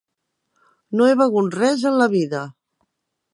No he begut res en la vida.